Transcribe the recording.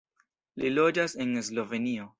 Li loĝas en Slovenio.